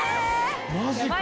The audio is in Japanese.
マジか。